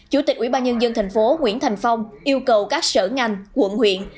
chủ tịch ubnd thành phố nguyễn thành phong yêu cầu các sở ngành quận huyện